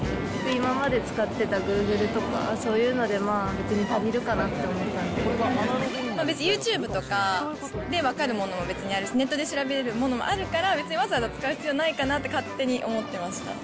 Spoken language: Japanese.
今まで使ってたグーグルとか、そういうので、まあ別に足りるかな別にユーチューブとかで分かるものも別にあるし、ネットで調べれるものもあるから、別にわざわざ使う必要ないかなって勝手に思ってました。